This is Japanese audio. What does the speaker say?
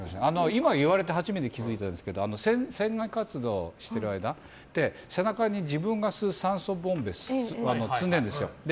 今言われて初めて気づいたんですけど船外活動してる間って背中に自分が吸う酸素ボンベを積んでるんですよ。